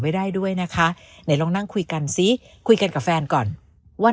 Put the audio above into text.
ได้ด้วยนะคะไหนลองนั่งคุยกันซิคุยกันกับแฟนก่อนวัน